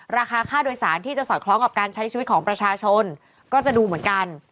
ราคาค่าโดยสารที่จะสอดคล้องกับการใช้ชีวิตของประชาชนก็จะดูเหมือนกัน